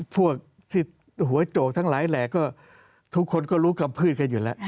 พวกที่หัวโจกทั้งหลายแหลกก็ทุกคนก็รู้คำพูดกันอยู่แล้ว